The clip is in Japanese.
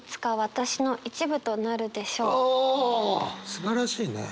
すばらしいね。